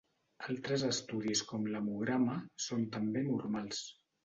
Altres estudis com l'hemograma són també normals.